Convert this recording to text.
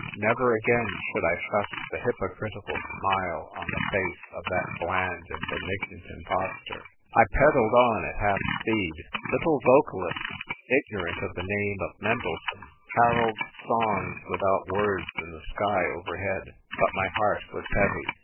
Never again should I trust the hypocritical smile on the face of that bland and benignant impostor ! 1 pedalled on at half speed. Little vocalists, ignorant of the name of Mendelssohn, carolled songs without words in the sky overhead : but my heart was heavy.